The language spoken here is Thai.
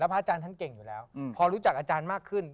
พระอาจารย์ท่านเก่งอยู่แล้วพอรู้จักอาจารย์มากขึ้น